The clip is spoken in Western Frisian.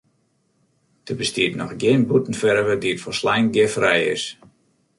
Der bestiet noch gjin bûtenferve dy't folslein giffrij is.